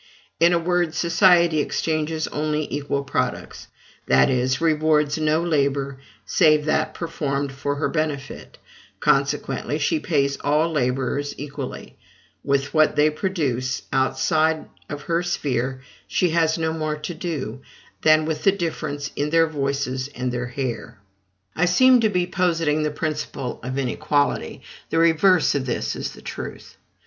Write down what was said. In a word, society exchanges only equal products that is, rewards no labor save that performed for her benefit; consequently, she pays all laborers equally: with what they produce outside of her sphere she has no more to do, than with the difference in their voices and their hair. I seem to be positing the principle of inequality: the reverse of this is the truth.